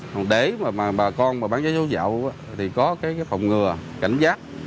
hồng đế mà bà con bán vé số giả thì có cái phòng ngừa cảnh giác